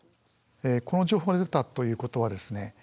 この情報が出たということはですね